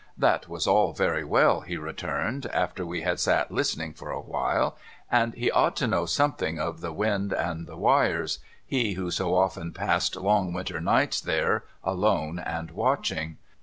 That was all very well, he returned, after we had sat listening for a while, and he ought to know something of the wind and the wires, •— he who so often passed long winter nights there, alone and watch ing.